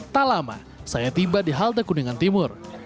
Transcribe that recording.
tak lama saya tiba di halte kuningan timur